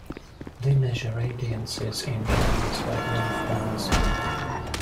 They measure radiances in various wavelength bands.